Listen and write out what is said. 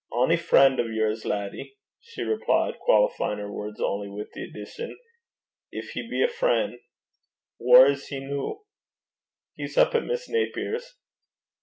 'Ony frien' o' yours, laddie,' she replied, qualifying her words only with the addition 'gin he be a frien'. Whaur is he noo?' 'He's up at Miss Naper's.'